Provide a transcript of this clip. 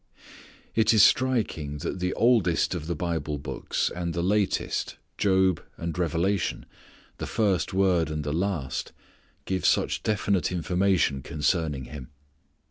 It is striking that the oldest of the Bible books, and the latest, Job and Revelation, the first word and the last, give such definite information concerning him.